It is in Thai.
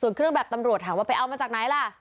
ส่วนเครื่องแบบตำรวจถามว่าไปเอามาจากไหนล่ะ